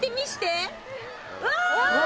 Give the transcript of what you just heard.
うわ！